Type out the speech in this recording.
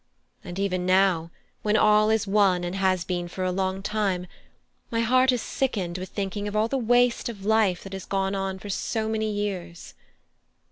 And even now, when all is won and has been for a long time, my heart is sickened with thinking of all the waste of life that has gone on for so many years."